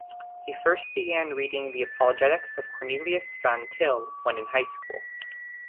He first began reading the apologetics of Cornelius Van Til when in high school.